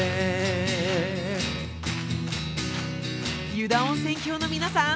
湯田温泉峡の皆さん